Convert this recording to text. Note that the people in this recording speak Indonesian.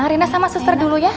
arina sama suster dulu ya